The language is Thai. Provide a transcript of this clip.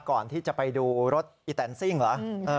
ก่อนที่จะไปดูรถอีแตนซิ่งเหรอ